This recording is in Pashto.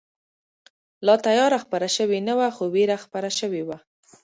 لا تیاره خپره شوې نه وه، خو وېره خپره شوې وه.